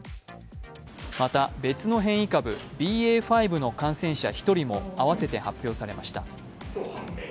また、別の変異株ＢＡ．５の感染者１人もあわせて発表されました。